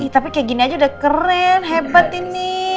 tapi kayak gini aja udah keren hebat ini